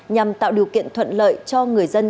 nhằm tạo điều kiện thuận lợi cho người dân